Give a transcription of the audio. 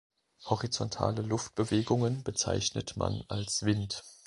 Horizontale Luftbewegungen bezeichnet man als Wind.